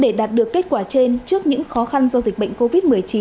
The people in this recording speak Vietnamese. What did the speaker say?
để đạt được kết quả trên trước những khó khăn do dịch bệnh covid một mươi chín